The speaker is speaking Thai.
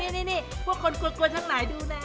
นี่พวกคนกลัวช่างไหนดูนะ